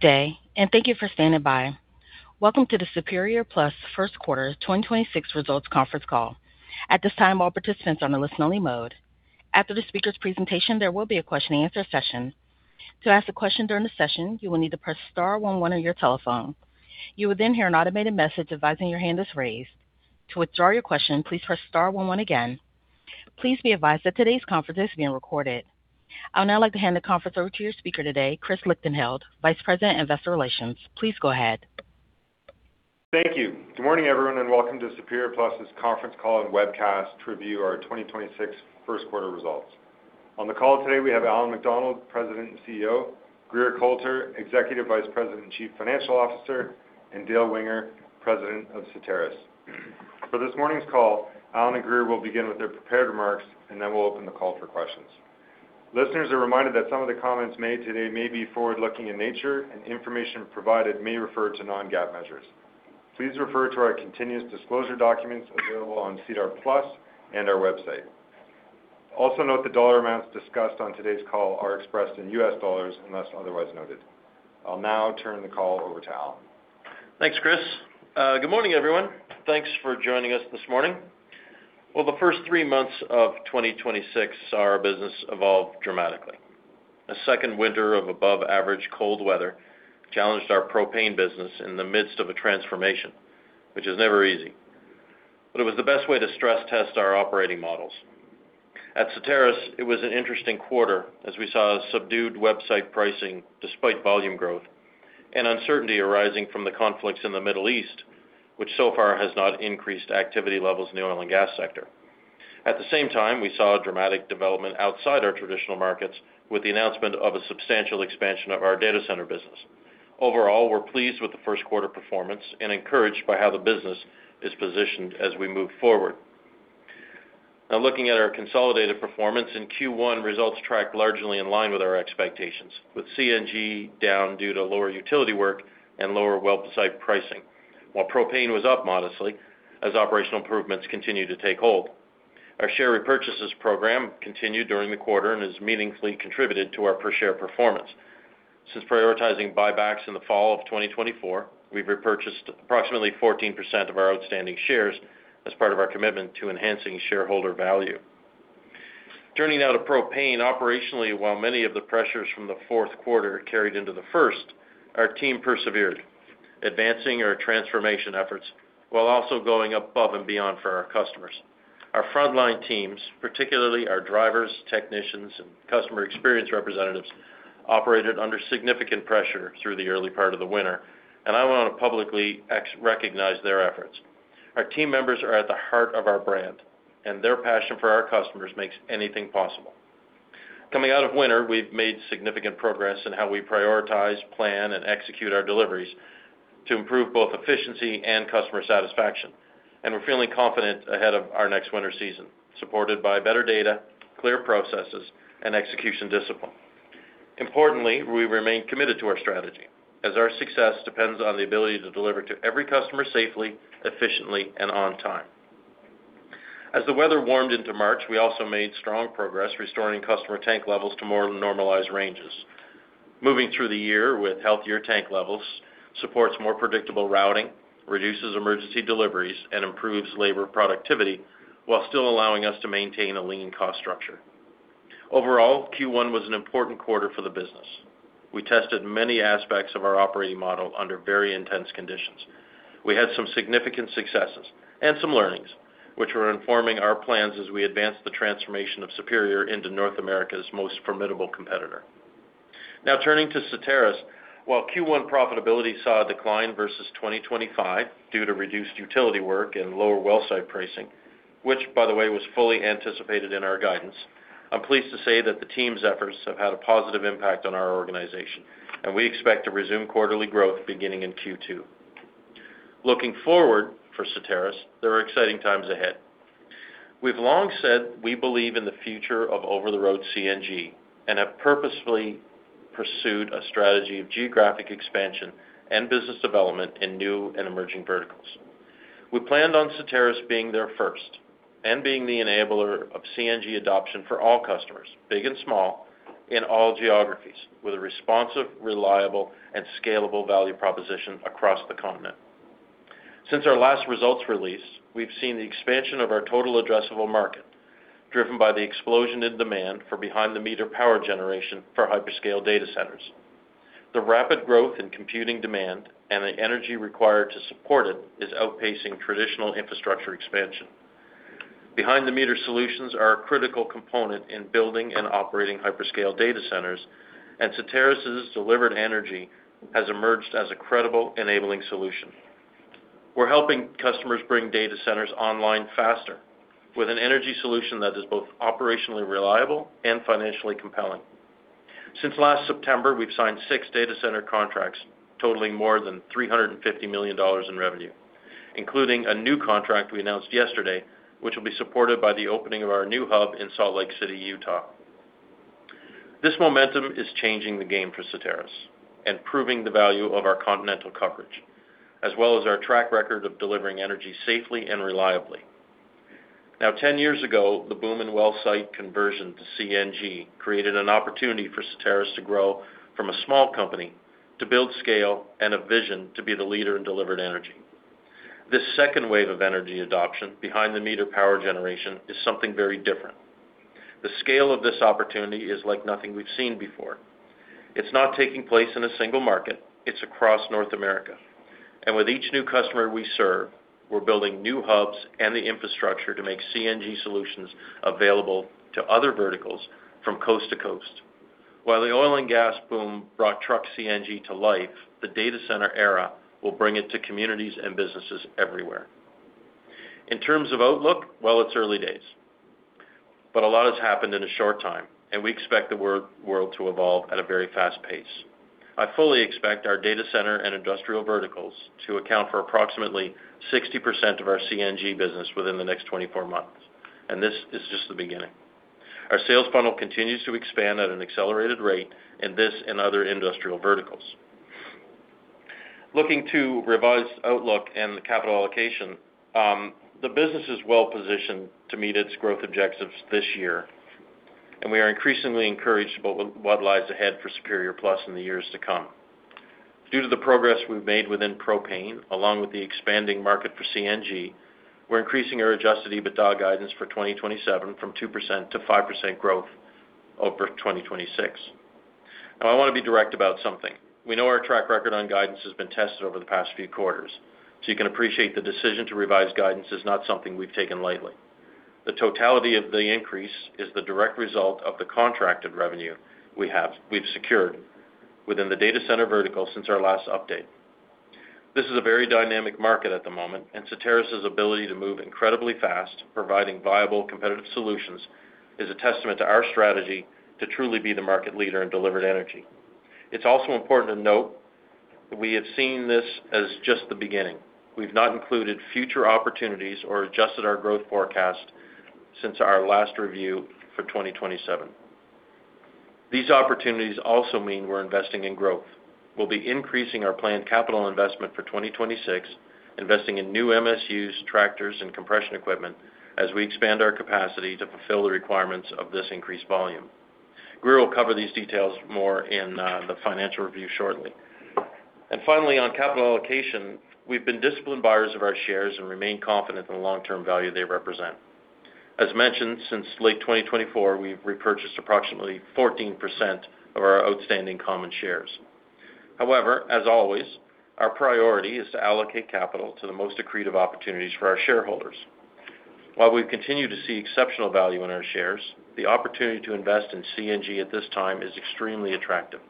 Day, and thank you for standing by. Welcome to the Superior Plus first quarter 2026 results conference call. At this time, all participants are on a listen-only mode. After the speaker's presentation, there will be a question and answer session. To ask a question during the session, you will need to press star one one on your telephone. You will then hear an automated message advising your hand is raised. To withdraw your question, please press star one one again. Please be advised that today's conference is being recorded. I would now like to hand the conference over to your speaker today, Chris Lichtenheldt, Vice President, Investor Relations. Please go ahead. Thank you. Good morning, everyone, and welcome to Superior Plus's conference call and webcast to review our 2026 first quarter results. On the call today, we have Allan MacDonald, President and CEO, Grier Colter, Executive Vice President and Chief Financial Officer, and Dale Winger, President of Certarus. For this morning's call, Allan and Grier will begin with their prepared remarks, and then we'll open the call for questions. Listeners are reminded that some of the comments made today may be forward-looking in nature, and information provided may refer to non-GAAP measures. Please refer to our continuous disclosure documents available on SEDAR+ and our website. Also note the dollar amounts discussed on today's call are expressed in U.S. dollars unless otherwise noted. I'll now turn the call over to Allan. Thanks, Chris. Good morning, everyone. Thanks for joining us this morning. Well, the first three months of 2026, our business evolved dramatically. A second winter of above-average cold weather challenged our Propane business in the midst of a transformation, which is never easy. It was the best way to stress test our operating models. At Certarus, it was an interesting quarter as we saw subdued well site pricing despite volume growth and uncertainty arising from the conflicts in the Middle East, which so far has not increased activity levels in the oil and gas sector. At the same time, we saw a dramatic development outside our traditional markets with the announcement of a substantial expansion of our data center business. Overall, we're pleased with the first quarter performance and encouraged by how the business is positioned as we move forward. Now, looking at our consolidated performance, in Q1 results tracked largely in line with our expectations, with CNG down due to lower utility work and lower well site pricing. While Propane was up modestly as operational improvements continued to take hold. Our share repurchases program continued during the quarter and has meaningfully contributed to our per share performance. Since prioritizing buybacks in the fall of 2024, we've repurchased approximately 14% of our outstanding shares as part of our commitment to enhancing shareholder value. Turning now to Propane. Operationally, while many of the pressures from the fourth quarter carried into the first, our team persevered, advancing our transformation efforts while also going above and beyond for our customers. Our frontline teams, particularly our drivers, technicians, and customer experience representatives, operated under significant pressure through the early part of the winter, and I want to publicly recognize their efforts. Our team members are at the heart of our brand, and their passion for our customers makes anything possible. Coming out of winter, we've made significant progress in how we prioritize, plan, and execute our deliveries to improve both efficiency and customer satisfaction. We're feeling confident ahead of our next winter season, supported by better data, clear processes, and execution discipline. Importantly, we remain committed to our strategy as our success depends on the ability to deliver to every customer safely, efficiently, and on time. As the weather warmed into March, we also made strong progress restoring customer tank levels to more normalized ranges. Moving through the year with healthier tank levels supports more predictable routing, reduces emergency deliveries, and improves labor productivity while still allowing us to maintain a lean cost structure. Overall, Q1 was an important quarter for the business. We tested many aspects of our operating model under very intense conditions. We had some significant successes and some learnings, which are informing our plans as we advance the transformation of Superior into North America's most formidable competitor. Turning to Certarus. While Q1 profitability saw a decline versus 2025 due to reduced utility work and lower well site pricing, which by the way, was fully anticipated in our guidance, I'm pleased to say that the team's efforts have had a positive impact on our organization, and we expect to resume quarterly growth beginning in Q2. Looking forward for Certarus, there are exciting times ahead. We've long said we believe in the future of over-the-road CNG and have purposefully pursued a strategy of geographic expansion and business development in new and emerging verticals. We planned on Certarus being there first and being the enabler of CNG adoption for all customers, big and small, in all geographies, with a responsive, reliable, and scalable value proposition across the continent. Since our last results release, we've seen the expansion of our total addressable market, driven by the explosion in demand for behind the meter power generation for hyperscale data centers. The rapid growth in computing demand and the energy required to support it is outpacing traditional infrastructure expansion. Behind the meter solutions are a critical component in building and operating hyperscale data centers, and Certarus' delivered energy has emerged as a credible enabling solution. We're helping customers bring data centers online faster with an energy solution that is both operationally reliable and financially compelling. Since last September, we've signed six data center contracts totaling more than $350 million in revenue, including a new contract we announced yesterday, which will be supported by the opening of our new hub in Salt Lake City, Utah. This momentum is changing the game for Certarus and proving the value of our continental coverage, as well as our track record of delivering energy safely and reliably. 10 years ago, the boom in well site conversion to CNG created an opportunity for Certarus to grow from a small company to build scale and a vision to be the leader in delivered energy. This second wave of energy adoption behind the meter power generation is something very different. The scale of this opportunity is like nothing we've seen before. It's not taking place in a single market, it's across North America. With each new customer we serve, we're building new hubs and the infrastructure to make CNG solutions available to other verticals from coast to coast. While the oil and gas boom brought truck CNG to life, the data center era will bring it to communities and businesses everywhere. In terms of outlook, well, it's early days. A lot has happened in a short time, and we expect the world to evolve at a very fast pace. I fully expect our data center and industrial verticals to account for approximately 60% of our CNG business within the next 24 months, and this is just the beginning. Our sales funnel continues to expand at an accelerated rate in this and other industrial verticals. Looking to revised outlook and the capital allocation, the business is well positioned to meet its growth objectives this year, and we are increasingly encouraged about what lies ahead for Superior Plus in the years to come. Due to the progress we've made within Propane, along with the expanding market for CNG, we're increasing our adjusted EBITDA guidance for 2027 from 2% to 5% growth over 2026. I wanna be direct about something. We know our track record on guidance has been tested over the past few quarters, so you can appreciate the decision to revise guidance is not something we've taken lightly. The totality of the increase is the direct result of the contracted revenue we've secured within the data center vertical since our last update. This is a very dynamic market at the moment, and Certarus' ability to move incredibly fast, providing viable, competitive solutions, is a testament to our strategy to truly be the market leader in delivered energy. It's also important to note that we have seen this as just the beginning. We've not included future opportunities or adjusted our growth forecast since our last review for 2027. These opportunities also mean we're investing in growth. We'll be increasing our planned capital investment for 2026, investing in new MSUs, tractors, and compression equipment as we expand our capacity to fulfill the requirements of this increased volume. Grier will cover these details more in the financial review shortly. Finally, on capital allocation, we've been disciplined buyers of our shares and remain confident in the long-term value they represent. As mentioned, since late 2024, we've repurchased approximately 14% of our outstanding common shares. As always, our priority is to allocate capital to the most accretive opportunities for our shareholders. We continue to see exceptional value in our shares, the opportunity to invest in CNG at this time is extremely attractive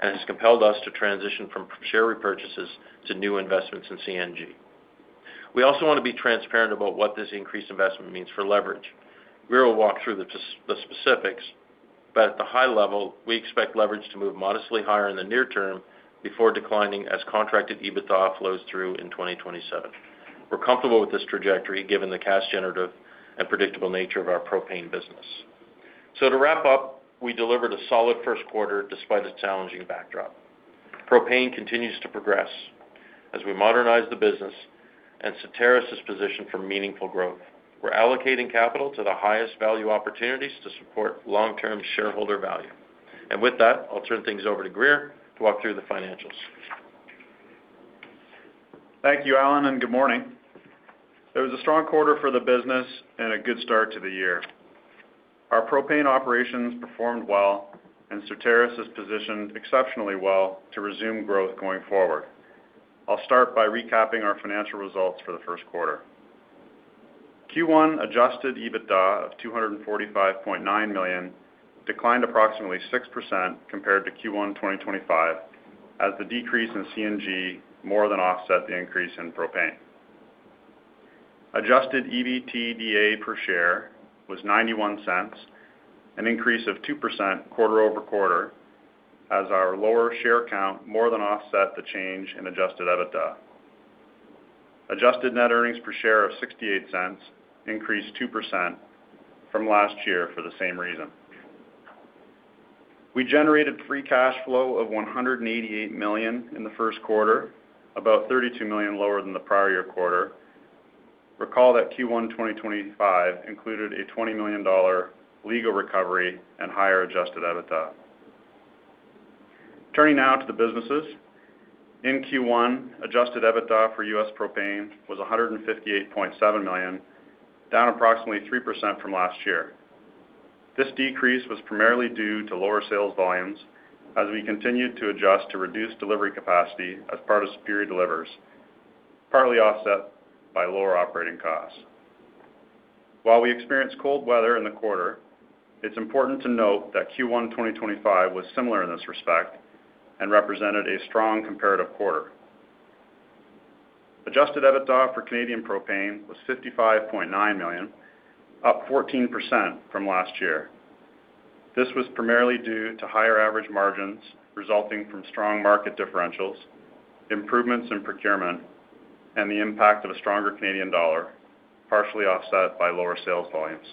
and has compelled us to transition from share repurchases to new investments in CNG. We also wanna be transparent about what this increased investment means for leverage. Grier will walk through the specifics, at the high level, we expect leverage to move modestly higher in the near term before declining as contracted EBITDA flows through in 2027. We're comfortable with this trajectory given the cash generative and predictable nature of our Propane business. To wrap up, we delivered a solid first quarter despite a challenging backdrop. Propane continues to progress as we modernize the business and Certarus is positioned for meaningful growth. We're allocating capital to the highest value opportunities to support long-term shareholder value. With that, I'll turn things over to Grier to walk through the financials. Thank you, Allan. Good morning. It was a strong quarter for the business and a good start to the year. Our Propane operations performed well. Certarus is positioned exceptionally well to resume growth going forward. I'll start by recapping our financial results for the first quarter. Q1 adjusted EBITDA of $245.9 million declined approximately 6% compared to Q1 2025 as the decrease in CNG more than offset the increase in Propane. Adjusted EBITDA per share was $0.91, an increase of 2% quarter-over-quarter as our lower share count more than offset the change in adjusted EBITDA. Adjusted net earnings per share of $0.68 increased 2% from last year for the same reason. We generated free cash flow of $188 million in the first quarter, about $32 million lower than the prior year quarter. Recall that Q1 2025 included a $20 million legal recovery and higher adjusted EBITDA. Turning now to the businesses. In Q1, adjusted EBITDA for U.S. Propane was $58.7 million, down approximately 3% from last year. This decrease was primarily due to lower sales volumes as we continued to adjust to reduced delivery capacity as part of Superior Delivers, partly offset by lower operating costs. While we experienced cold weather in the quarter, it's important to note that Q1 2025 was similar in this respect and represented a strong comparative quarter. Adjusted EBITDA for Canadian Propane was $55.9 million, up 14% from last year. This was primarily due to higher average margins resulting from strong market differentials, improvements in procurement, and the impact of a stronger Canadian dollar, partially offset by lower sales volumes.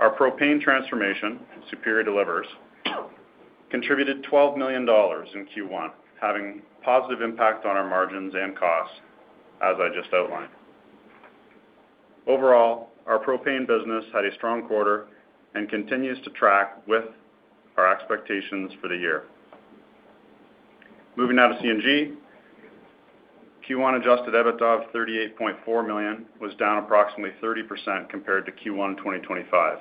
Our Propane transformation, Superior Delivers, contributed $12 million in Q1, having positive impact on our margins and costs as I just outlined. Overall, our Propane business had a strong quarter and continues to track with our expectations for the year. Moving now to CNG. Q1 adjusted EBITDA of $38.4 million was down approximately 30% compared to Q1 2025,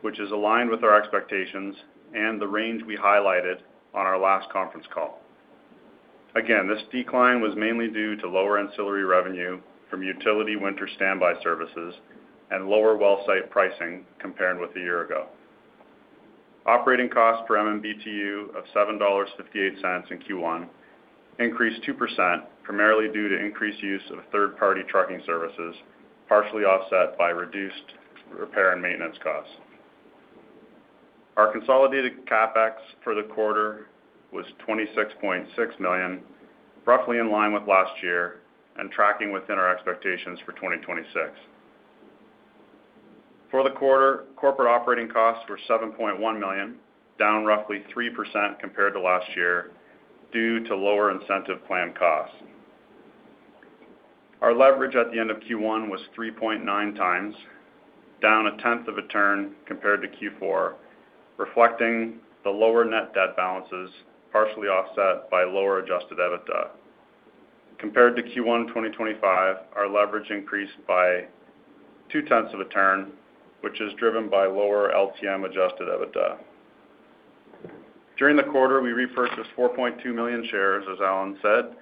which is aligned with our expectations and the range we highlighted on our last conference call. Again, this decline was mainly due to lower ancillary revenue from utility winter standby services and lower well site pricing compared with a year ago. Operating cost per MMBtu of $7.58 in Q1 increased 2%, primarily due to increased use of third-party trucking services, partially offset by reduced repair and maintenance costs. Our consolidated CapEx for the quarter was $26.6 million, roughly in line with last year and tracking within our expectations for 2026. For the quarter, corporate operating costs were $7.1 million, down roughly 3% compared to last year due to lower incentive plan costs. Our leverage at the end of Q1 was 3.9x, down 0.1 of a turn compared to Q4, reflecting the lower net debt balances, partially offset by lower adjusted EBITDA. Compared to Q1 2025, our leverage increased by 0.2 of a turn, which is driven by lower LTM adjusted EBITDA. During the quarter, we repurchased 4.2 million shares, as Allan said,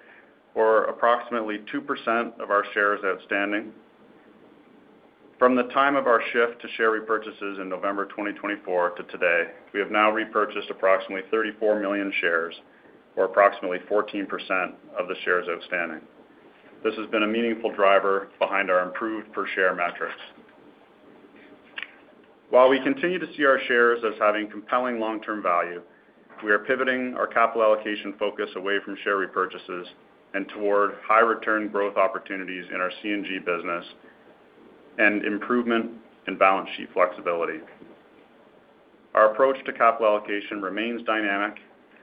or approximately 2% of our shares outstanding. From the time of our shift to share repurchases in November 2024 to today, we have now repurchased approximately 34 million shares or approximately 14% of the shares outstanding. This has been a meaningful driver behind our improved per share metrics. While we continue to see our shares as having compelling long-term value, we are pivoting our capital allocation focus away from share repurchases and toward high return growth opportunities in our CNG business and improvement in balance sheet flexibility. Our approach to capital allocation remains dynamic,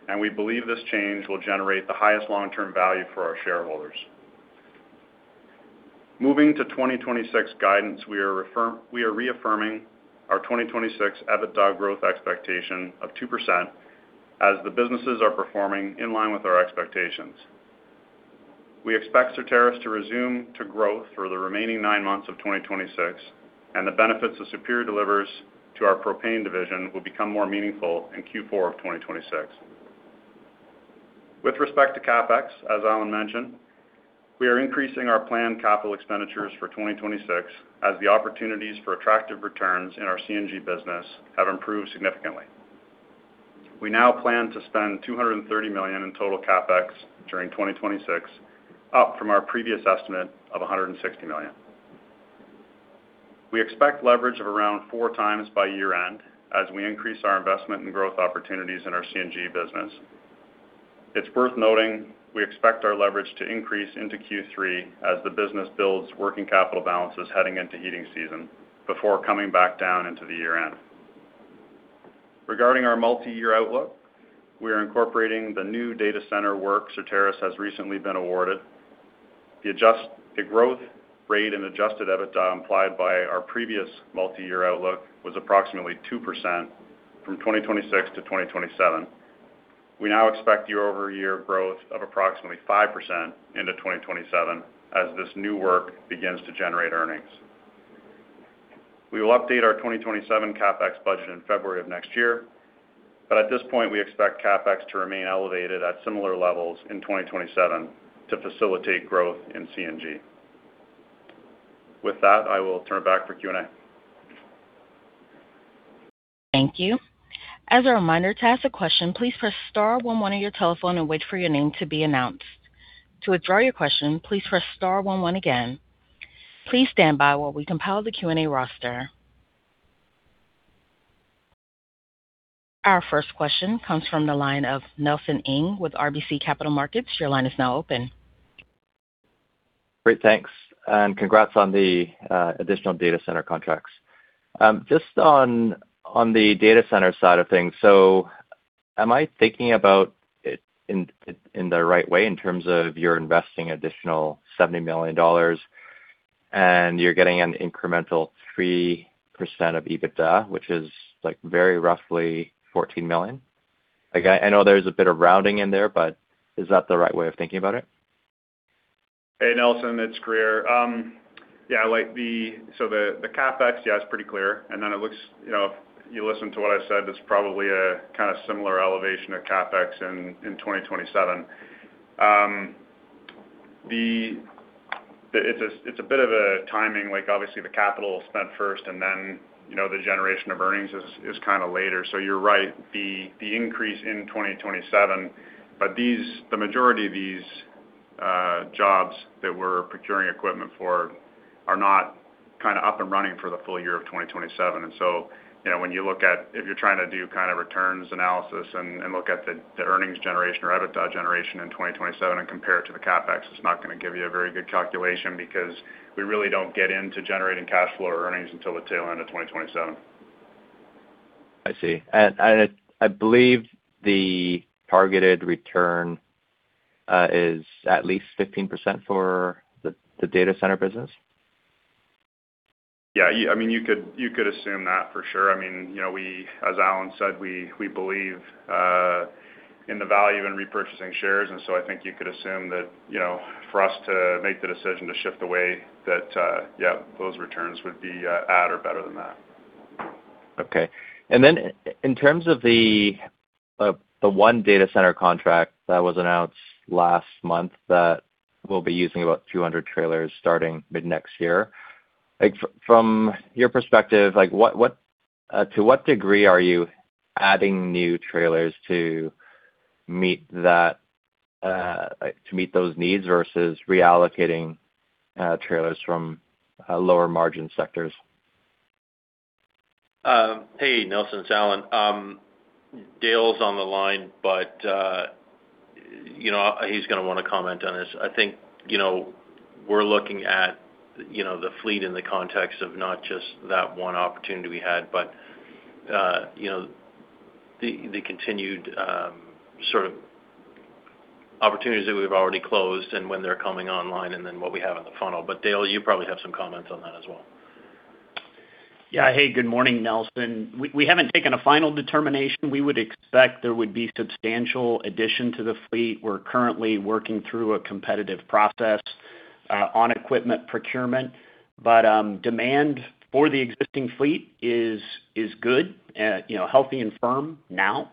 and we believe this change will generate the highest long-term value for our shareholders. Moving to 2026 guidance, we are reaffirming our 2026 EBITDA growth expectation of 2% as the businesses are performing in line with our expectations. We expect Certarus to resume to growth for the remaining nine months of 2026, and the benefits of Superior Delivers to our Propane division will become more meaningful in Q4 of 2026. With respect to CapEx, as Allan mentioned, we are increasing our planned capital expenditures for 2026 as the opportunities for attractive returns in our CNG business have improved significantly. We now plan to spend $230 million in total CapEx during 2026, up from our previous estimate of $160 million. We expect leverage of around 4x by year-end as we increase our investment in growth opportunities in our CNG business. It's worth noting we expect our leverage to increase into Q3 as the business builds working capital balances heading into heating season before coming back down into the year-end. Regarding our multi-year outlook, we are incorporating the new data center work Certarus has recently been awarded. The growth rate and adjusted EBITDA implied by our previous multi-year outlook was approximately 2% from 2026 to 2027. We now expect year-over-year growth of approximately 5% into 2027 as this new work begins to generate earnings. We will update our 2027 CapEx budget in February of next year. At this point, we expect CapEx to remain elevated at similar levels in 2027 to facilitate growth in CNG. With that, I will turn it back for Q&A. Thank you. As a reminder, to ask a question, please press star one one on your telephone and wait for your name to be announced. To withdraw your question, please press star one one again. Please stand by while we compile the Q&A roster. Our first question comes from the line of Nelson Ng with RBC Capital Markets. Your line is now open. Great. Thanks, and congrats on the additional data center contracts. Just on the data center side of things. Am I thinking about it in the right way in terms of you're investing additional $70 million and you're getting an incremental 3% of EBITDA, which is like very roughly $14 million? I know there's a bit of rounding in there, but is that the right way of thinking about it? Hey, Nelson, it's Grier. CapEx, it's pretty clear. It looks, you know, if you listen to what I said, it's probably a kind of similar elevation of CapEx in 2027. It's a bit of a timing, like obviously the capital spent first and then, you know, the generation of earnings is kind of later. You're right, the increase in 2027. The majority of these jobs that we're procuring equipment for are not kind of up and running for the full year of 2027. You know, if you're trying to do kind of returns analysis and look at the earnings generation or EBITDA generation in 2027 and compare it to the CapEx, it's not gonna give you a very good calculation because we really don't get into generating cash flow or earnings until the tail end of 2027. I see. I believe the targeted return is at least 15% for the data center business? I mean, you could assume that for sure. I mean, you know, as Allan said, we believe in the value in repurchasing shares. I think you could assume that, you know, for us to make the decision to shift away, that, those returns would be at or better than that. Okay. In terms of the one data center contract that was announced last month that will be using about 200 trailers starting mid-next year, like, from your perspective, like, what, to what degree are you adding new trailers to meet that, to meet those needs versus reallocating trailers from lower margin sectors? Hey, Nelson, it's Allan. Dale's on the line, but, you know, he's gonna wanna comment on this. I think, you know, we're looking at, you know, the fleet in the context of not just that one opportunity we had, but, you know, the continued sort of opportunities that we've already closed and when they're coming online and then what we have in the funnel. Dale, you probably have some comments on that as well. Yeah. Hey, good morning, Nelson. We haven't taken a final determination. We would expect there would be substantial addition to the fleet. We're currently working through a competitive process on equipment procurement. Demand for the existing fleet is good, you know, healthy and firm now.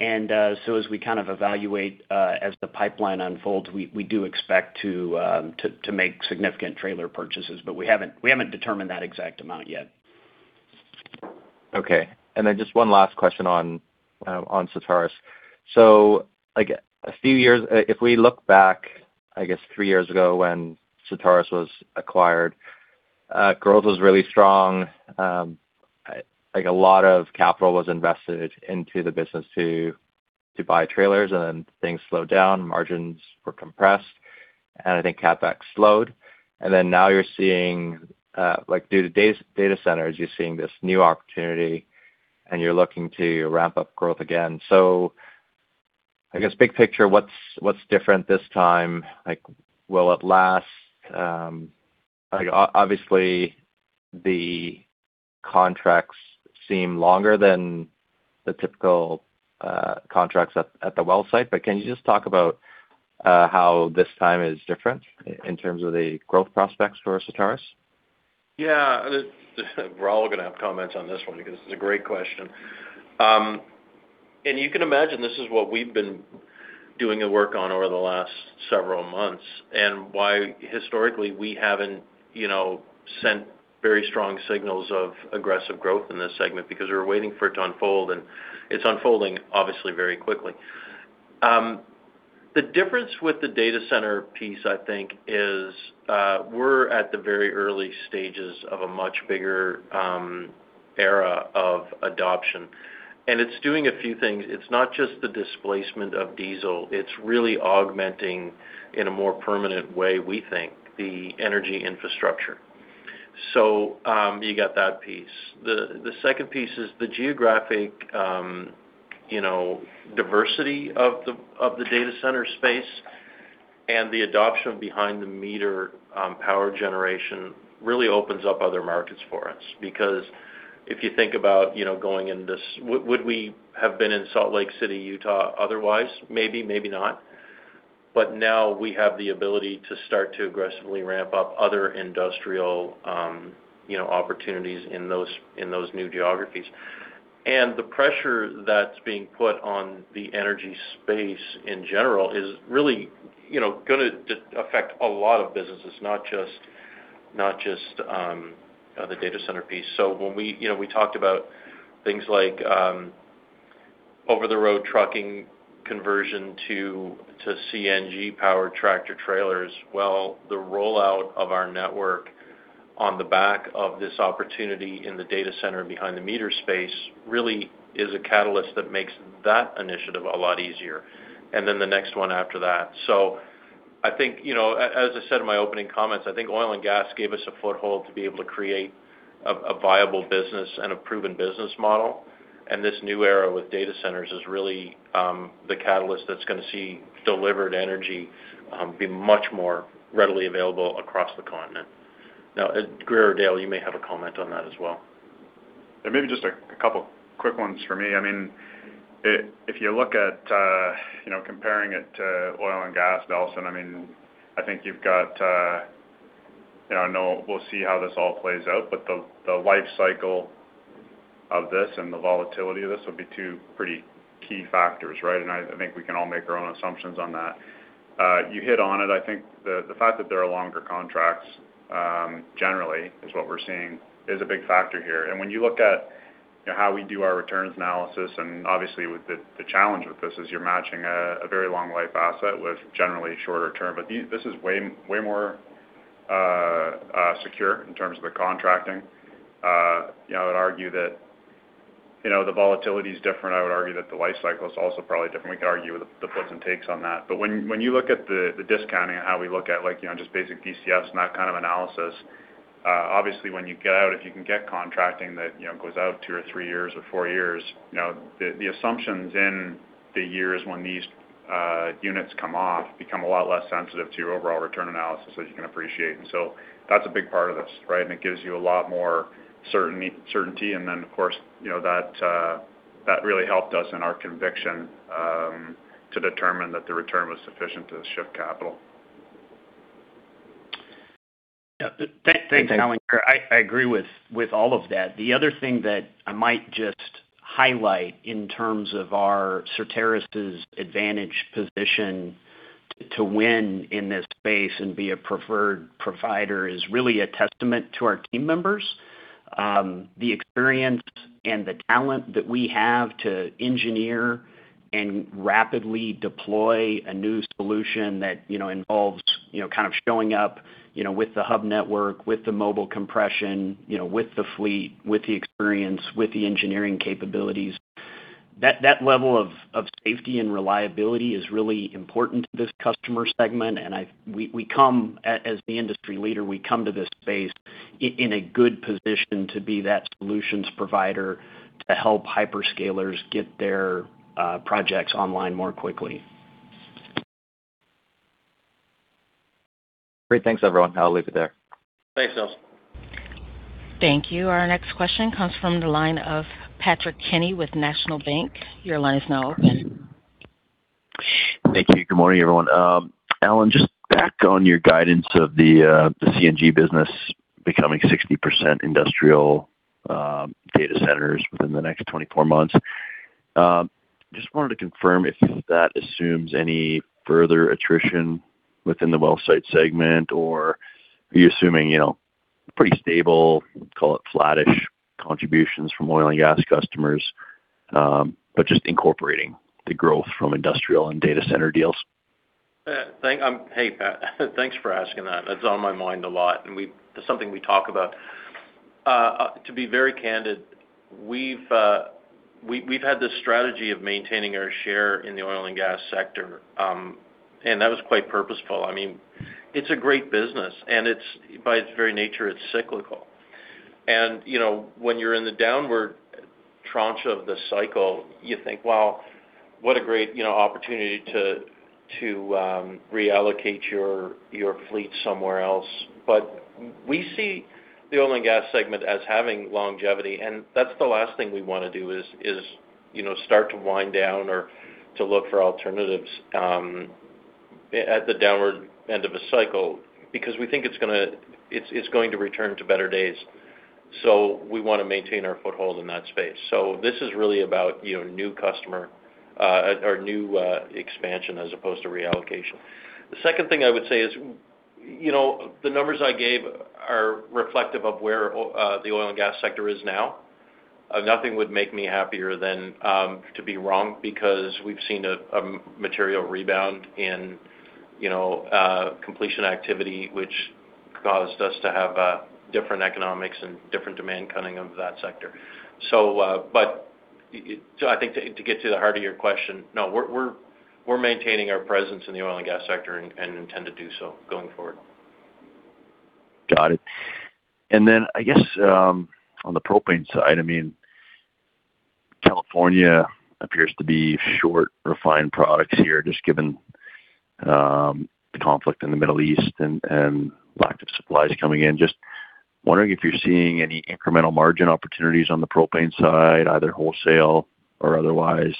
As we kind of evaluate as the pipeline unfolds, we do expect to make significant trailer purchases, but we haven't determined that exact amount yet. Okay. Just one last question on Certarus. If we look back, I guess three years ago when Certarus was acquired, growth was really strong. A lot of capital was invested into the business to buy trailers, and then things slowed down, margins were compressed, and I think CapEx slowed. Now you're seeing due to data centers, you're seeing this new opportunity, and you're looking to ramp up growth again. I guess big picture, what's different this time? Will it last? Obviously, the contracts seem longer than the typical contracts at the well site. But can you just talk about how this time is different in terms of the growth prospects for Certarus? Yeah. We're all gonna have comments on this one because it's a great question. You can imagine this is what we've been doing the work on over the last several months, and why historically we haven't, you know, sent very strong signals of aggressive growth in this segment because we were waiting for it to unfold, and it's unfolding obviously very quickly. The difference with the data center piece, I think, is we're at the very early stages of a much bigger era of adoption. It's doing a few things. It's not just the displacement of diesel. It's really augmenting, in a more permanent way, we think, the energy infrastructure. You got that piece. The second piece is the geographic, you know, diversity of the data center space and the adoption behind the meter power generation really opens up other markets for us. Because if you think about, you know, going in, would we have been in Salt Lake City, Utah, otherwise? Maybe, maybe not. But now we have the ability to start to aggressively ramp up other industrial, you know, opportunities in those, in those new geographies. The pressure that's being put on the energy space in general is really, you know, gonna affect a lot of businesses, not just the data center piece. When we-- you know, we talked about things like over-the-road trucking conversion to CNG-powered tractor-trailers, the rollout of our network on the back of this opportunity in the data center behind the meter space really is a catalyst that makes that initiative a lot easier, and then the next one after that. I think, you know, as I said in my opening comments, I think oil and gas gave us a foothold to be able to create a viable business and a proven business model. This new era with data centers is really the catalyst that's gonna see delivered energy be much more readily available across the continent. Grier, or Dale, you may have a comment on that as well. Maybe just a couple quick ones for me. If you look at, you know, comparing it to oil and gas, Nelson, I think you've got, you know, I know we'll see how this all plays out, but the life cycle of this and the volatility of this will be two pretty key factors, right? I think we can all make our own assumptions on that. You hit on it. I think the fact that there are longer contracts, generally is what we're seeing is a big factor here. When you look at, you know, how we do our returns analysis, and obviously with the challenge with this is you're matching a very long life asset with generally shorter term. This is way more secure in terms of the contracting. You know, I would argue that, you know, the volatility is different. I would argue that the life cycle is also probably different. We can argue the puts and takes on that. When you look at the discounting and how we look at, like, you know, just basic DCFs and that kind of analysis. Obviously when you get out, if you can get contracting that, you know, goes out two or three years or four years, you know, the assumptions in the years when these units come off become a lot less sensitive to your overall return analysis, as you can appreciate. That's a big part of this, right? It gives you a lot more certainty. Of course, you know, that really helped us in our conviction to determine that the return was sufficient to shift capital. Yeah. Thanks, Allan. I agree with all of that. The other thing that I might just highlight in terms of Certarus' advantage position to win in this space and be a preferred provider is really a testament to our team members. The experience and the talent that we have to engineer and rapidly deploy a new solution that, you know, involves, you know, kind of showing up, you know, with the hub network, with the mobile compression, you know, with the fleet, with the experience, with the engineering capabilities. That level of safety and reliability is really important to this customer segment. We come as the industry leader, we come to this space in a good position to be that solutions provider to help hyperscalers get their projects online more quickly. Great. Thanks, everyone. I'll leave it there. Thanks, Nelson. Thank you. Our next question comes from the line of Patrick Kenny with National Bank. Your line is now open. Thank you. Good morning, everyone. Allan, just back on your guidance of the CNG business becoming 60% industrial, data centers within the next 24 months. Just wanted to confirm if that assumes any further attrition within the well site segment, or are you assuming, you know, pretty stable, call it flattish contributions from oil and gas customers, but just incorporating the growth from industrial and data center deals? Thanks, hey, Pat, thanks for asking that. That's on my mind a lot, and that's something we talk about. To be very candid, we've had this strategy of maintaining our share in the oil and gas sector, that was quite purposeful. I mean, it's a great business and by its very nature, it's cyclical. You know, when you're in the downward tranche of the cycle, you think, wow, what a great, you know, opportunity to reallocate your fleet somewhere else. We see the oil and gas segment as having longevity, and that's the last thing we wanna do, is, you know, start to wind down or to look for alternatives at the downward end of a cycle because we think it's going to return to better days. We want to maintain our foothold in that space. This is really about, you know, new customer, or new expansion as opposed to reallocation. The second thing I would say is, you know, the numbers I gave are reflective of where the oil and gas sector is now. Nothing would make me happier than to be wrong because we've seen a material rebound in, you know, completion activity, which caused us to have different economics and different demand coming out of that sector. I think to get to the heart of your question, no, we're maintaining our presence in the oil and gas sector and intend to do so going forward. Got it. I guess, on the Propane side, I mean, California appears to be short refined products here, just given the conflict in the Middle East and lack of supplies coming in. Just wondering if you're seeing any incremental margin opportunities on the Propane side, either wholesale or otherwise,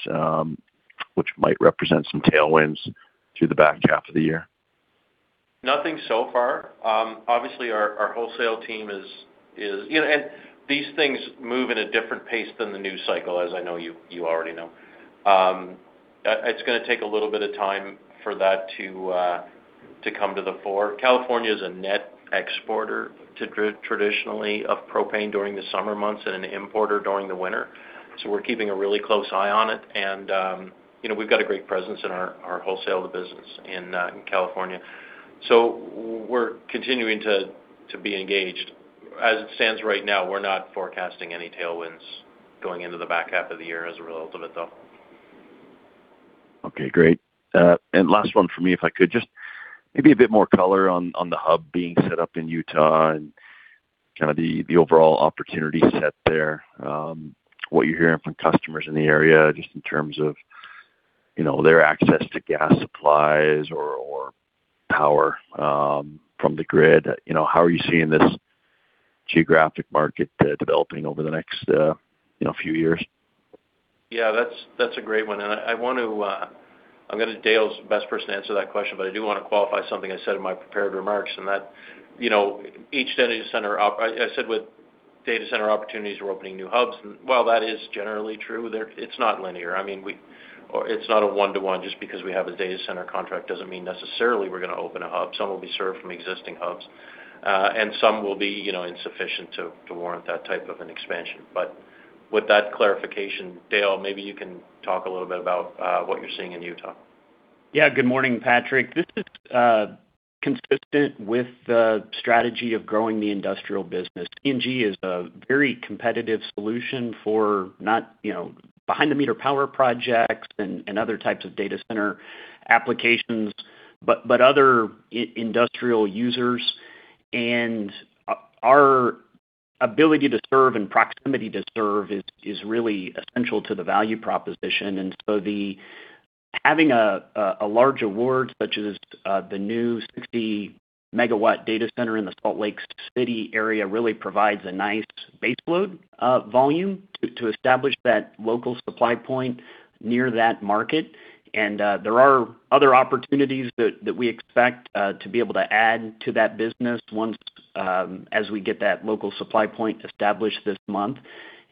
which might represent some tailwinds through the back half of the year. Nothing so far. Obviously our wholesale team is You know, and these things move at a different pace than the news cycle, as I know you already know. It's gonna take a little bit of time for that to come to the fore. California is a net exporter traditionally of propane during the summer months and an importer during the winter. We're keeping a really close eye on it and, you know, we've got a great presence in our wholesale to business in California. We're continuing to be engaged. As it stands right now, we're not forecasting any tailwinds going into the back half of the year as a result of it, though. Okay, great. Last one for me, if I could. Just maybe a bit more color on the hub being set up in Utah and kinda the overall opportunity set there. What you're hearing from customers in the area just in terms of, you know, their access to gas supplies or power from the grid? You know, how are you seeing this geographic market developing over the next, you know, few years? Yeah, that's a great one. I want to. Dale's the best person to answer that question, but I do want to qualify something I said in my prepared remarks and that, you know, I said with data center opportunities, we're opening new hubs. While that is generally true there, it's not linear. I mean, it's not a one-to-one. Just because we have a data center contract doesn't mean necessarily we're going to open a hub. Some will be served from existing hubs, some will be, you know, insufficient to warrant that type of an expansion. With that clarification, Dale, maybe you can talk a little bit about what you're seeing in Utah. Good morning, Patrick. This is consistent with the strategy of growing the industrial business. CNG is a very competitive solution for not, you know, behind the meter power projects and other types of data center applications, but other industrial users. Our ability to serve and proximity to serve is really essential to the value proposition. Having a large award such as the new 60 MW data center in the Salt Lake City area really provides a nice baseload volume to establish that local supply point near that market. There are other opportunities that we expect to be able to add to that business once as we get that local supply point established this month.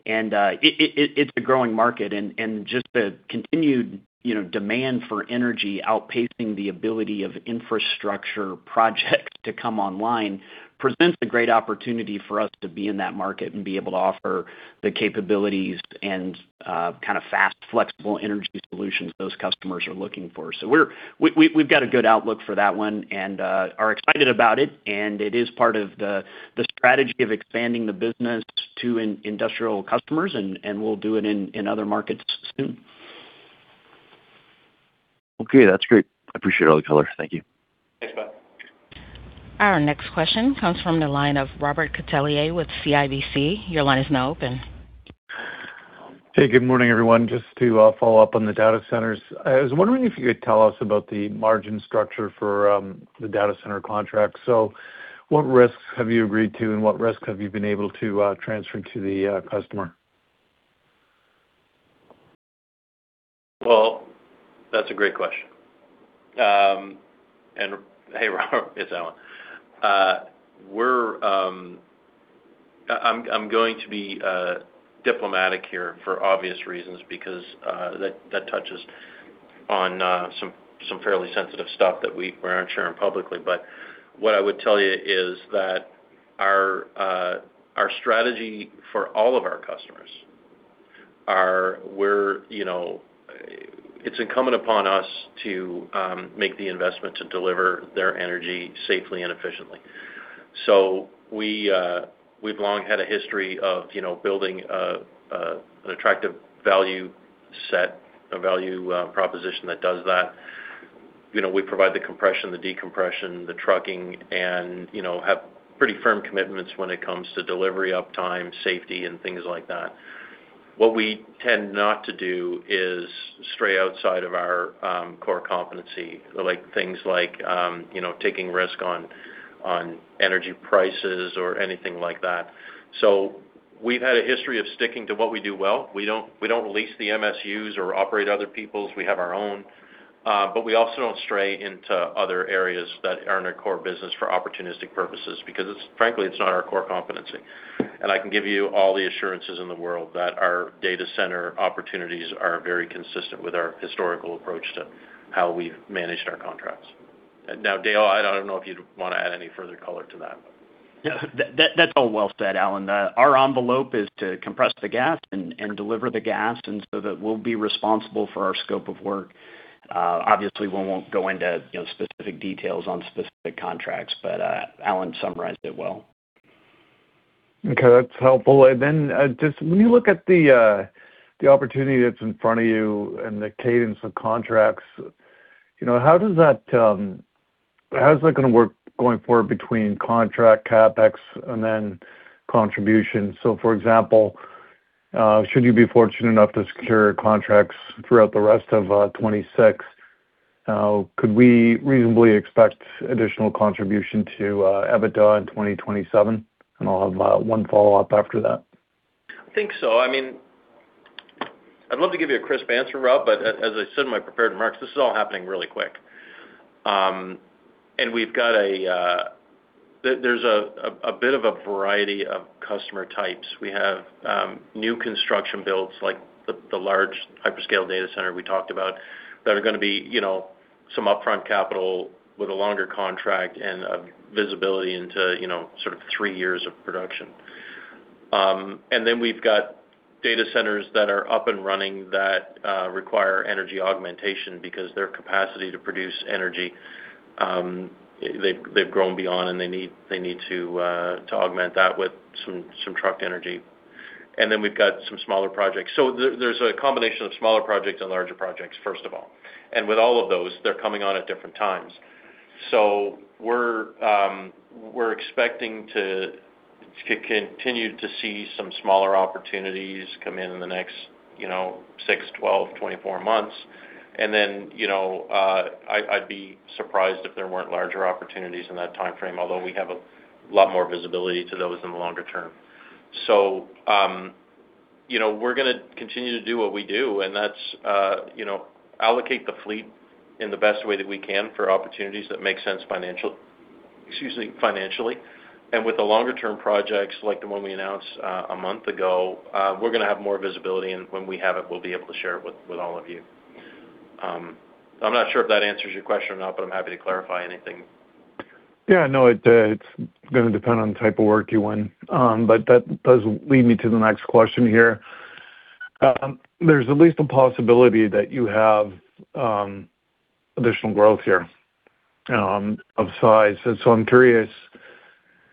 It's a growing market and just the continued, you know, demand for energy outpacing the ability of infrastructure projects to come online presents a great opportunity for us to be in that market and be able to offer the capabilities and kind of fast, flexible energy solutions those customers are looking for. We've got a good outlook for that one and are excited about it. It is part of the strategy of expanding the business to industrial customers and we'll do it in other markets soon. Okay, that's great. I appreciate all the color. Thank you. Thanks, bud. Our next question comes from the line of Robert Catellier with CIBC. Your line is now open. Hey, good morning, everyone. Just to follow up on the data centers. I was wondering if you could tell us about the margin structure for the data center contract. What risks have you agreed to, and what risks have you been able to transfer to the customer? Well, that's a great question. Hey, Robert, it's Allan. We're, I'm going to be diplomatic here for obvious reasons because that touches on some fairly sensitive stuff that we aren't sharing publicly. What I would tell you is that our strategy for all of our customers are we're, you know, it's incumbent upon us to make the investment to deliver their energy safely and efficiently. We've long had a history of, you know, building an attractive value set, a value proposition that does that. You know, we provide the compression, the decompression, the trucking, and, you know, have pretty firm commitments when it comes to delivery uptime, safety, and things like that. What we tend not to do is stray outside of our core competency, like things like, you know, taking risk on energy prices or anything like that. We've had a history of sticking to what we do well. We don't, we don't lease the MSUs or operate other people's. We have our own. We also don't stray into other areas that aren't our core business for opportunistic purposes because frankly, it's not our core competency. I can give you all the assurances in the world that our data center opportunities are very consistent with our historical approach to how we've managed our contracts. Now, Dale, I don't know if you'd want to add any further color to that. Yeah. That's all well said, Allan. Our envelope is to compress the gas and deliver the gas, and so that we'll be responsible for our scope of work. Obviously, we won't go into, you know, specific details on specific contracts, but Allan summarized it well. Okay, that's helpful. Then, just when you look at the opportunity that's in front of you and the cadence of contracts, you know, how does that, how is that gonna work going forward between contract CapEx and then contribution? For example, should you be fortunate enough to secure contracts throughout the rest of 2026, could we reasonably expect additional contribution to EBITDA in 2027? I'll have one follow-up after that. I think so. I mean, I'd love to give you a crisp answer, Rob. As I said in my prepared remarks, this is all happening really quick. We've got a bit of a variety of customer types. We have new construction builds like the large hyperscale data center we talked about that are gonna be, you know, some upfront capital with a longer contract and a visibility into, you know, sort of three years of production. Then we've got data centers that are up and running that require energy augmentation because their capacity to produce energy, they've grown beyond, and they need to augment that with some truck energy. We've got some smaller projects. There's a combination of smaller projects and larger projects, first of all. With all of those, they're coming on at different times. We're expecting to continue to see some smaller opportunities come in in the next, you know, six, 12, 24 months. You know, I'd be surprised if there weren't larger opportunities in that timeframe, although we have a lot more visibility to those in the longer term. You know, we're gonna continue to do what we do, and that's, you know, allocate the fleet in the best way that we can for opportunities that make sense financially. With the longer-term projects, like the one we announced a month ago, we're gonna have more visibility. When we have it, we'll be able to share it with all of you. I'm not sure if that answers your question or not, but I'm happy to clarify anything. Yeah, no, it's gonna depend on the type of work you want. That does lead me to the next question here. There's at least a possibility that you have additional growth here of size. I'm curious,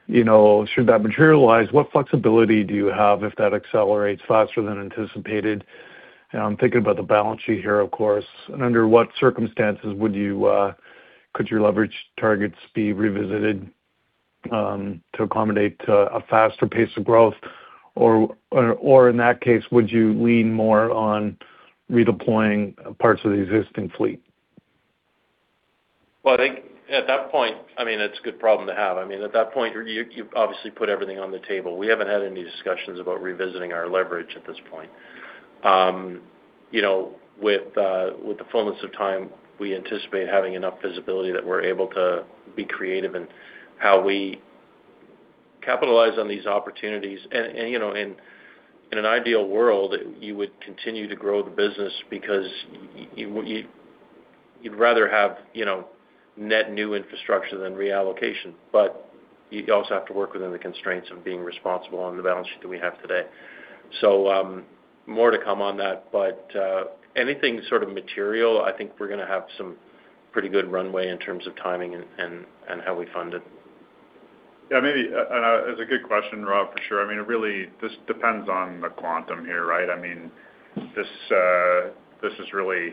you know, should that materialize, what flexibility do you have if that accelerates faster than anticipated? I'm thinking about the balance sheet here, of course. Under what circumstances would you could your leverage targets be revisited to accommodate a faster pace of growth? Or in that case, would you lean more on redeploying parts of the existing fleet? I think at that point, I mean, it's a good problem to have. I mean, at that point, you obviously put everything on the table. We haven't had any discussions about revisiting our leverage at this point. You know, with the fullness of time, we anticipate having enough visibility that we're able to be creative in how we capitalize on these opportunities. You know, in an ideal world, you would continue to grow the business because you'd rather have, you know, net new infrastructure than reallocation. You also have to work within the constraints of being responsible on the balance sheet that we have today. More to come on that. Anything sort of material, I think we're gonna have some pretty good runway in terms of timing and how we fund it. Yeah, maybe, it's a good question, Rob, for sure. I mean, it really this depends on the quantum here, right? I mean, this is really,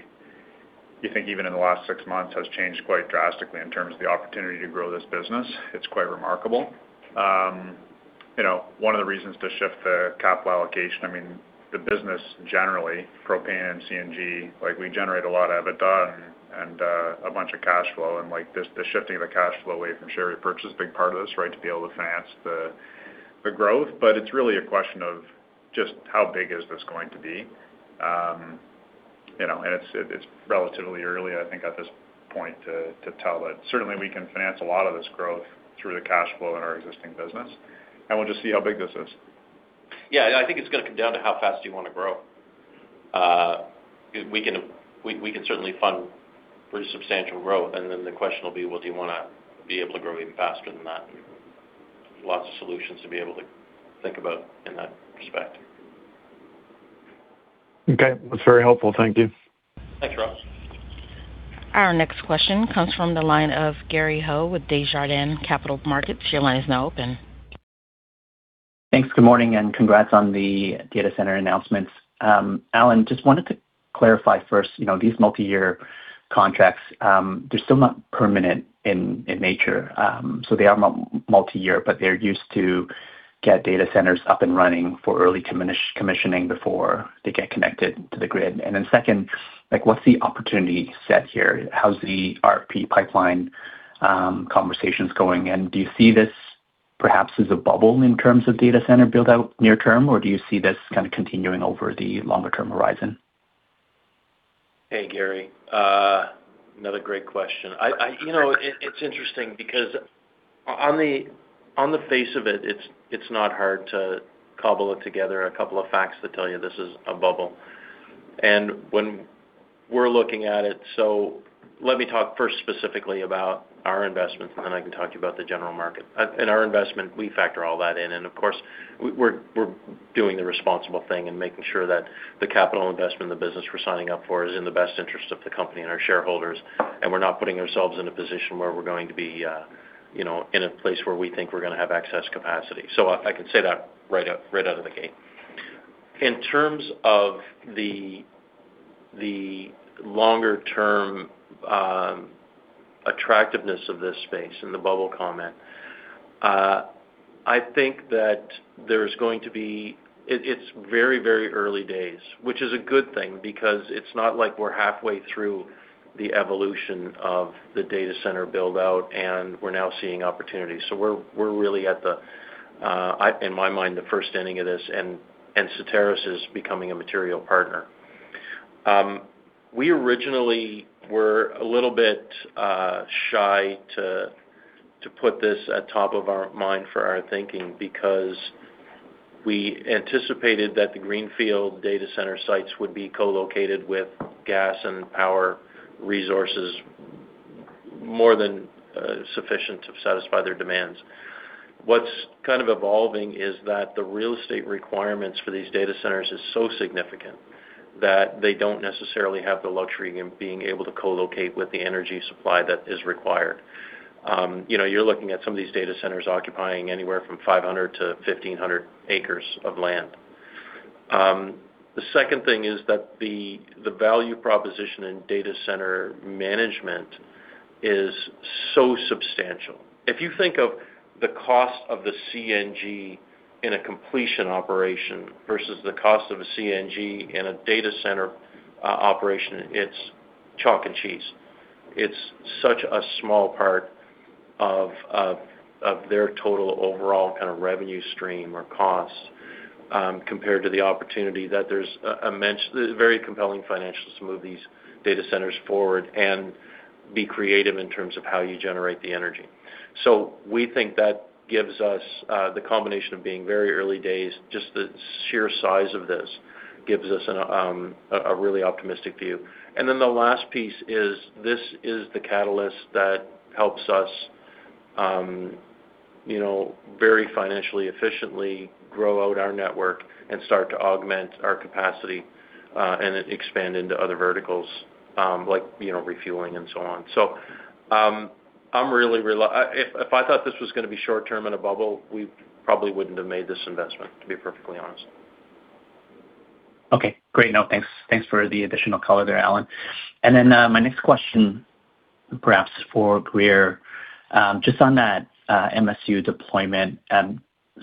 you think even in the last six months has changed quite drastically in terms of the opportunity to grow this business. It's quite remarkable. You know, one of the reasons to shift the capital allocation. I mean, the business generally, Propane and CNG, like we generate a lot of EBITDA and, a bunch of cash flow and like this, the shifting of the cash flow away from share repurchase is a big part of this, right? To be able to finance the growth. It's really a question of just how big is this going to be. You know, it's relatively early, I think at this point to tell. Certainly we can finance a lot of this growth through the cash flow in our existing business, and we'll just see how big this is. Yeah, I think it's gonna come down to how fast you wanna grow. We can certainly fund pretty substantial growth. Then the question will be, well, do you wanna be able to grow even faster than that? Lots of solutions to be able to think about in that respect. Okay. That's very helpful. Thank you. Thanks, Rob. Our next question comes from the line of Gary Ho with Desjardins Capital Markets. Your line is now open. Thanks. Good morning, and congrats on the data center announcements. Allan, just wanted to clarify first, you know, these multi-year contracts, they're still not permanent in nature. They are multi-year, but they're used to get data centers up and running for early commissioning before they get connected to the grid. Second, like, what's the opportunity set here? How's the RFP pipeline, conversations going? Do you see this perhaps as a bubble in terms of data center build-out near term, or do you see this kind of continuing over the longer-term horizon? Hey, Gary. Another great question. You know, it's interesting because on the face of it's not hard to cobble it together, a couple of facts that tell you this is a bubble. When we're looking at it, let me talk first specifically about our investments, and then I can talk to you about the general market. In our investment, we factor all that in. Of course, we're doing the responsible thing and making sure that the capital investment in the business we're signing up for is in the best interest of the company and our shareholders. We're not putting ourselves in a position where we're going to be, you know, in a place where we think we're gonna have excess capacity. I can say that right out of the gate. In terms of the longer-term attractiveness of this space and the bubble comment, I think that it's very early days, which is a good thing because it's not like we're halfway through the evolution of the data center build-out, and we're now seeing opportunities. We're really at the in my mind, the first inning of this, and Certarus is becoming a material partner. We originally were a little bit shy to put this at top of our mind for our thinking because we anticipated that the greenfield data center sites would be co-located with gas and power resources more than sufficient to satisfy their demands. What's kind of evolving is that the real estate requirements for these data centers is so significant that they don't necessarily have the luxury in being able to co-locate with the energy supply that is required. You know, you're looking at some of these data centers occupying anywhere from 500 acres-1,500 acres of land. The second thing is that the value proposition in data center management is so substantial. If you think of the cost of the CNG in a completion operation versus the cost of a CNG in a data center operation, it's chalk and cheese. It's such a small part of their total overall kind of revenue stream or costs, compared to the opportunity that there's very compelling financials to move these data centers forward and be creative in terms of how you generate the energy. We think that gives us the combination of being very early days. Just the sheer size of this gives us an a really optimistic view. Then the last piece is this is the catalyst that helps us, you know, very financially efficiently grow out our network and start to augment our capacity and expand into other verticals, like, you know, refueling and so on. If I thought this was gonna be short-term in a bubble, we probably wouldn't have made this investment, to be perfectly honest. Okay, great. Thanks, thanks for the additional color there, Allan. My next question perhaps for Grier. Just on that MSU deployment,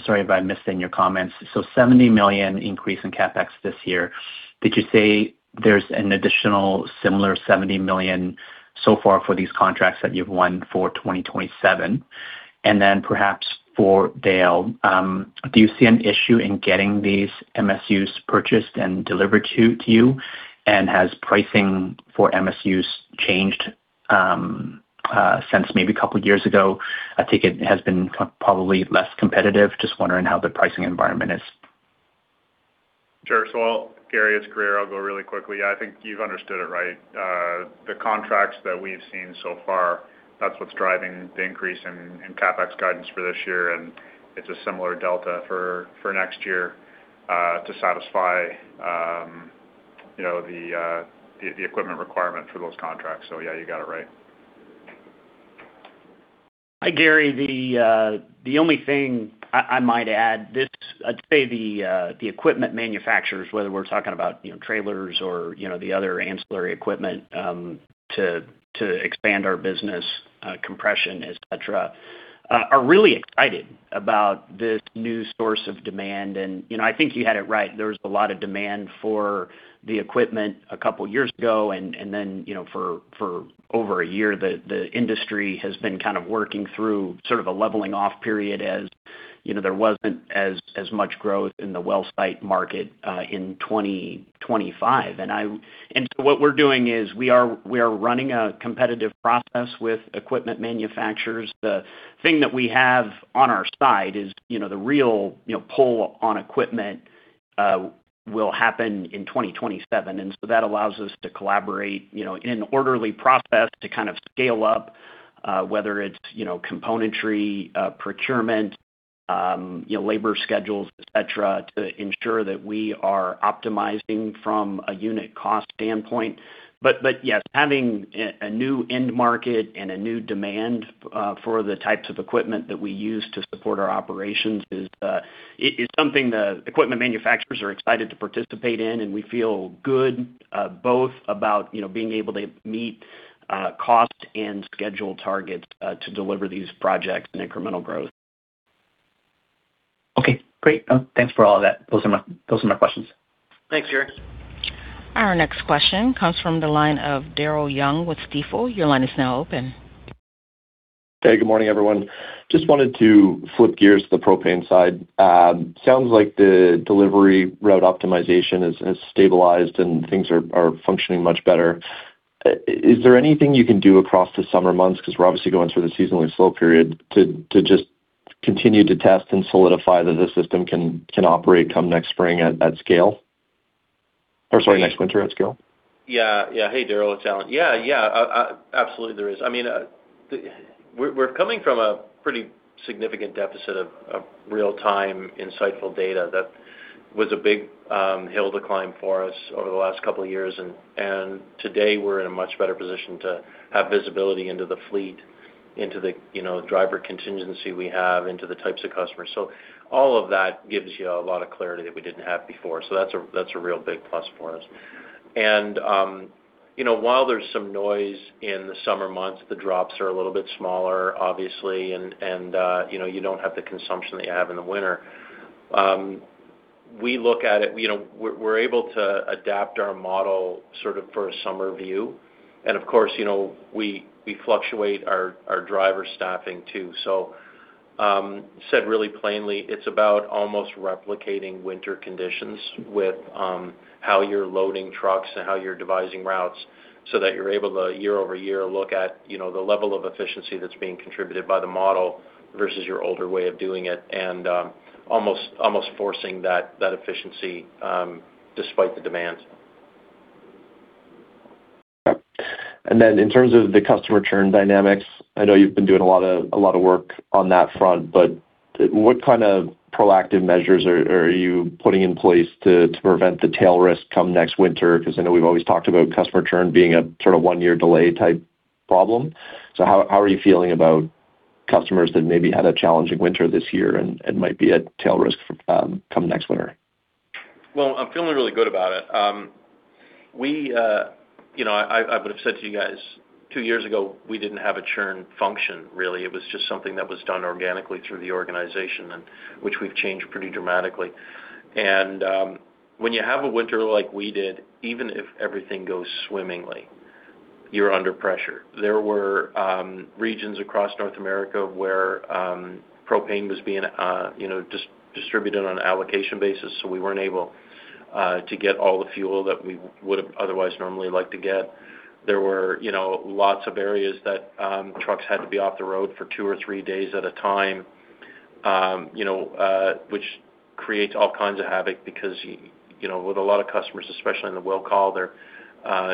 sorry if I missed it in your comments. A $70 million increase in CapEx this year. Did you say there's an additional similar $70 million so far for these contracts that you've won for 2027? Perhaps for Dale, do you see an issue in getting these MSUs purchased and delivered to you? Has pricing for MSUs changed since maybe a couple years ago? I think it has been probably less competitive. Just wondering how the pricing environment is. Sure. I'll Gary, it's Grier. I'll go really quickly. I think you've understood it right. The contracts that we've seen so far, that's what's driving the increase in CapEx guidance for this year, and it's a similar delta for next year, to satisfy, you know, the, the equipment requirement for those contracts. Yeah, you got it right. Hi, Gary. The only thing I might add, I'd say the equipment manufacturers, whether we're talking about, you know, trailers or, you know, the other ancillary equipment, to expand our business, compression, et cetera, are really excited about this new source of demand. You know, I think you had it right. There was a lot of demand for the equipment a couple years ago and then, you know, for over a year, the industry has been kind of working through sort of a leveling off period as, you know, there wasn't as much growth in the well site market in 2025. What we're doing is we are running a competitive process with equipment manufacturers. The thing that we have on our side is, you know, the real, you know, pull on equipment, will happen in 2027. That allows us to collaborate, you know, in an orderly process to kind of scale up, whether it's, you know, componentry, procurement, you know, labor schedules, et cetera, to ensure that we are optimizing from a unit cost standpoint. Yes, having a new end market and a new demand for the types of equipment that we use to support our operations is something the equipment manufacturers are excited to participate in, and we feel good, both about, you know, being able to meet cost and schedule targets, to deliver these projects and incremental growth. Okay, great. Thanks for all of that. Those are my questions. Thanks, Gary. Our next question comes from the line of Daryl Young with Stifel. Your line is now open. Hey, good morning, everyone. Just wanted to flip gears to the Propane side. Sounds like the delivery route optimization has stabilized and things are functioning much better. Is there anything you can do across the summer months, 'cause we're obviously going through the seasonally slow period, to just continue to test and solidify that the system can operate come next spring at scale? Or sorry, next winter at scale. Yeah. Yeah. Hey, Daryl, it's Allan. Yeah, yeah. Absolutely there is. I mean, we're coming from a pretty significant deficit of real-time insightful data that was a big hill to climb for us over the last couple of years. Today, we're in a much better position to have visibility into the fleet, into the, you know, driver contingency we have, into the types of customers. All of that gives you a lot of clarity that we didn't have before. That's a real big plus for us. You know, while there's some noise in the summer months, the drops are a little bit smaller, obviously, and, you know, you don't have the consumption that you have in the winter. We look at it, you know, we're able to adapt our model sort of for a summer view. Of course, you know, we fluctuate our driver staffing too. Said really plainly, it's about almost replicating winter conditions with how you're loading trucks and how you're devising routes so that you're able to year-over-year look at, you know, the level of efficiency that's being contributed by the model versus your older way of doing it and almost forcing that efficiency despite the demand. Yep. In terms of the customer churn dynamics, I know you've been doing a lot of work on that front, what kind of proactive measures are you putting in place to prevent the tail risk come next winter? 'Cause I know we've always talked about customer churn being a sort of one-year delay type problem. How are you feeling about customers that maybe had a challenging winter this year and might be at tail risk come next winter? Well, I'm feeling really good about it. We, you know, I would've said to you guys two years ago, we didn't have a churn function, really. It was just something that was done organically through the organization and which we've changed pretty dramatically. When you have a winter like we did, even if everything goes swimmingly, you're under pressure. There were regions across North America where propane was being, you know, distributed on an allocation basis, so we weren't able to get all the fuel that we would've otherwise normally liked to get. There were, you know, lots of areas that trucks had to be off the road for two or three days at a time, you know, which creates all kinds of havoc because, you know, with a lot of customers, especially in the will call, they're,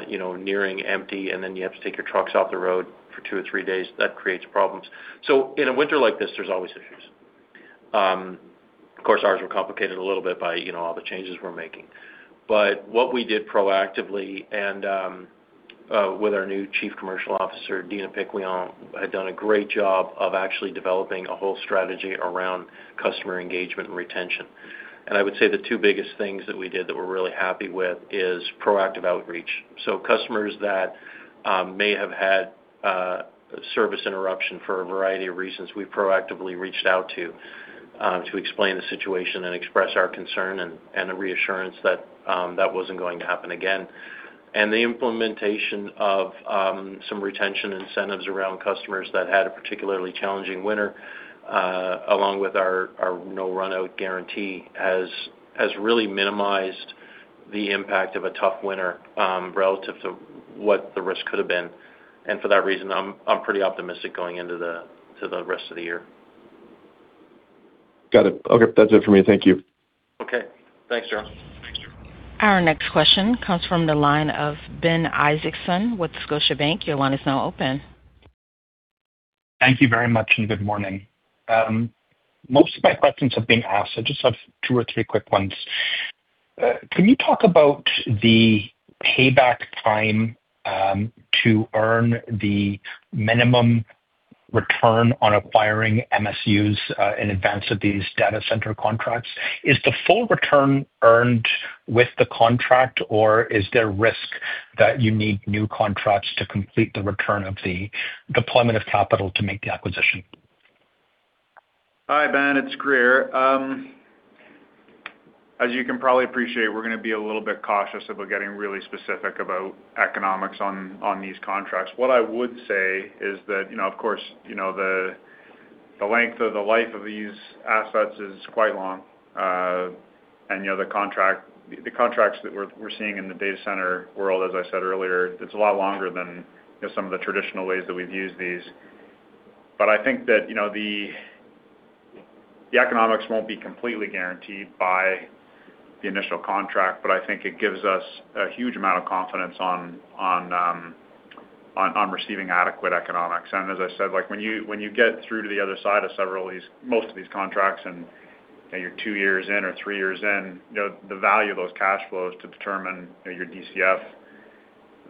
you know, nearing empty, and then you have to take your trucks off the road for two or three days. That creates problems. In a winter like this, there's always issues. Of course, ours were complicated a little bit by, you know, all the changes we're making. What we did proactively and, with our new Chief Commercial Officer, Deena Piquion, have done a great job of actually developing a whole strategy around customer engagement and retention. I would say the two biggest things that we did that we're really happy with is proactive outreach. Customers that may have had service interruption for a variety of reasons, we proactively reached out to explain the situation and express our concern and a reassurance that that wasn't going to happen again. The implementation of some retention incentives around customers that had a particularly challenging winter, along with our no run out guarantee has really minimized the impact of a tough winter, relative to what the risk could have been. For that reason, I'm pretty optimistic going into to the rest of the year. Got it. Okay. That's it for me. Thank you. Okay. Thanks, Daryl. Our next question comes from the line of Ben Isaacson with Scotiabank. Your line is now open. Thank you very much, and good morning. Most of my questions have been asked. Just have two or three quick ones. Can you talk about the payback time to earn the minimum return on acquiring MSUs in advance of these data center contracts? Is the full return earned with the contract, or is there risk that you need new contracts to complete the return of the deployment of capital to make the acquisition? Hi, Ben, it's Grier. As you can probably appreciate, we're gonna be a little bit cautious about getting really specific about economics on these contracts. What I would say is that, you know, of course, you know, the length of the life of these assets is quite long, and, you know, the contracts that we're seeing in the data center world, as I said earlier, it's a lot longer than, you know, some of the traditional ways that we've used these. I think that, you know, the economics won't be completely guaranteed by the initial contract, but I think it gives us a huge amount of confidence on receiving adequate economics. As I said, like when you get through to the other side of several of these most of these contracts and, you know, you're two years in or three years in, you know, the value of those cash flows to determine, you know, your DCF,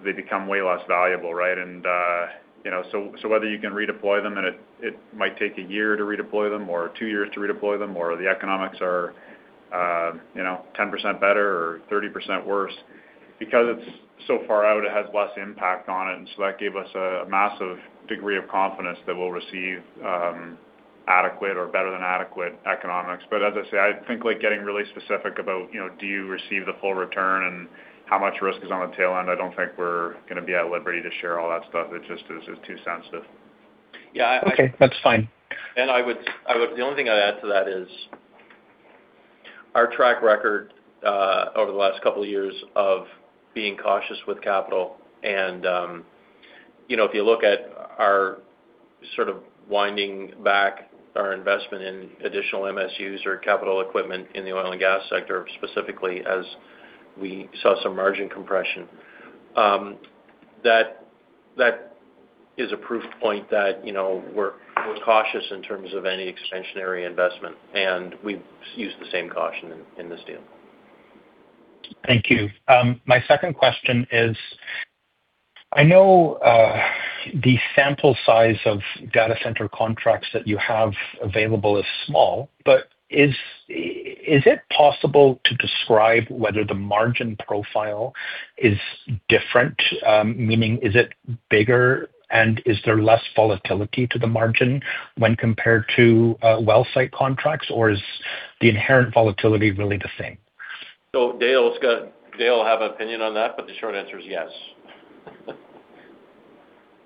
they become way less valuable, right. Whether you can redeploy them and it might take a year to redeploy them or two years to redeploy them or the economics are, you know, 10% better or 30% worse. Because it's so far out, it has less impact on it. That gave us a massive degree of confidence that we'll receive adequate or better than adequate economics. As I say, I think, like, getting really specific about, you know, do you receive the full return and how much risk is on the tail end, I don't think we're gonna be at liberty to share all that stuff. It just is, it's too sensitive. Yeah. Okay. That's fine. The only thing I'd add to that is our track record over the last couple of years of being cautious with capital and, you know, if you look at our sort of winding back our investment in additional MSUs or capital equipment in the oil and gas sector, specifically as we saw some margin compression, that is a proof point that, you know, we're cautious in terms of any expansionarytension area investment, and we use the same caution in this deal. Thank you. My second question is, I know the sample size of data center contracts that you have available is small, but is it possible to describe whether the margin profile is different? Meaning is it bigger and is there less volatility to the margin when compared to well site contracts or is the inherent volatility really the same? Dale have opinion on that, but the short answer is yes.